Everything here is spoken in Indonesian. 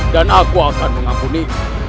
dan aku akan mengakuni